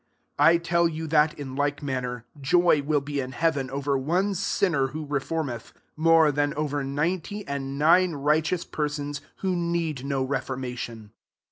* 7 I tell you, that, in like man ner, joy will be in heaven over one sinner who reformeth, more than over ninety and nine right eous persons, who need no re formation.